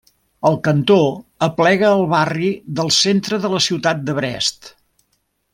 El cantó aplega el barri del centre de la ciutat de Brest.